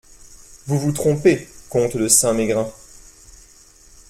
Vous vous trompez, comte de Saint-Mégrin.